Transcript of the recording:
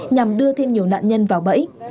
nhằm đưa thêm nhiều nạn nhân vào bẫy